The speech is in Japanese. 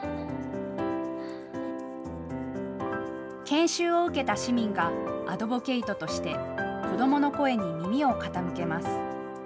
研修を受けた市民が、アドボケイトとして子どもの声に耳を傾けます。